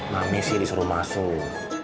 mami sih disuruh masuk